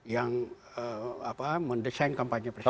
yang mendesain kampanye presiden